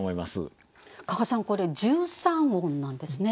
加賀さんこれ１３音なんですね。